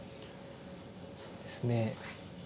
そうですね。